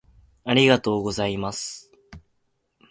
ありがとうございます。